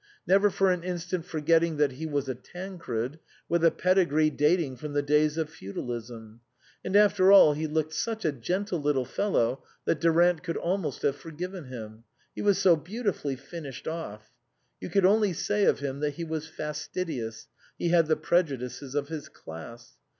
Never for an instant forgetting that he was a Tancred, with a pedigree dating from the days of feudalism. And after all he looked such a gentle little fellow that Durant could almost have forgiven him. He was so beautifully finished off. You could only say of him that he was fastidious, he had the prejudices of his class.